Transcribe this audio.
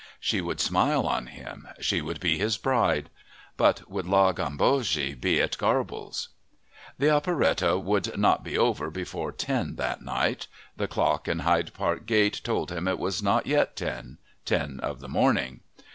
She would smile on him. She would be his bride. But would La Gambogi be at Garble's? The operette would not be over before ten that night. The clock in Hyde Park Gate told him it was not yet ten ten of the morning.